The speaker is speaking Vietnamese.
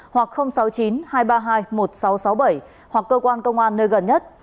hoặc sáu mươi chín hai trăm ba mươi hai một nghìn sáu trăm sáu mươi bảy hoặc cơ quan công an nơi gần nhất